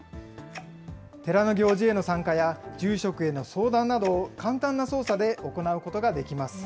寺の行事への参加や、住職への相談などを簡単な操作で行うことができます。